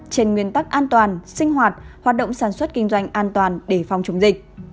trên nguyên tắc an toàn sinh hoạt hoạt động sản xuất kinh doanh an toàn để phòng chống dịch